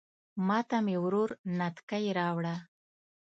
ماته مې ورور نتکۍ راوړه